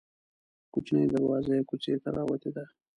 کوچنۍ دروازه یې کوڅې ته راوتې ده.